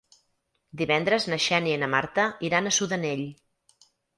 Divendres na Xènia i na Marta iran a Sudanell.